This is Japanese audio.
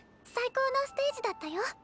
最高のステージだったよ。